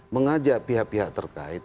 mengajak pihak pihak terkait